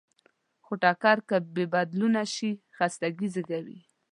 خو تکرار که بېبدلونه شي، خستګي زېږوي.